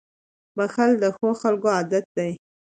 • بښل د ښو خلکو عادت دی.